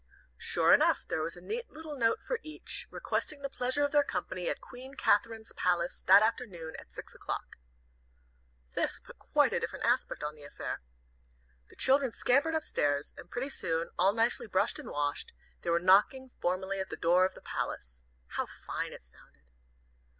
Sure enough, there was a neat little note for each, requesting the pleasure of their company at "Queen Katharine's Palace," that afternoon, at six o'clock. This put quite a different aspect on the affair. The children scampered up stairs, and pretty soon, all nicely brushed and washed, they were knocking formally at the door of the "Palace." How fine it sounded!